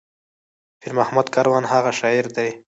پير محمد کاروان هغه شاعر دى